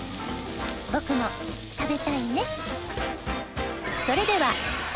僕も食べたいね！